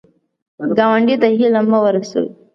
ګاونډي ته هیله مه ورسوې